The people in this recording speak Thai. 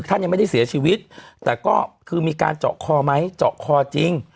ท่านยังไม่ได้เสียชีวิตแต่ก็คือมีการเจาะคอไหมเจาะคอจริง